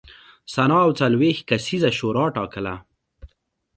سنا او څلوېښت کسیزه شورا ټاکله